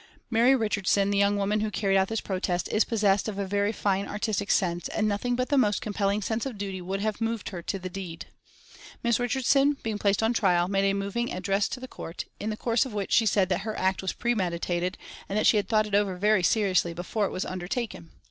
Mary Richardson, the young woman who carried out this protest, is possessed of a very fine artistic sense, and nothing but the most compelling sense of duty would have moved her to the deed. Miss Richardson being placed on trial, made a moving address to the Court, in the course of which she said that her act was premeditated, and that she had thought it over very seriously before it was undertaken.